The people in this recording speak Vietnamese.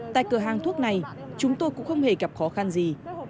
tại cửa hàng thuốc này chúng tôi cũng không hề gặp khó khăn gì